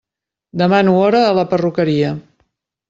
Demano hora a la perruqueria.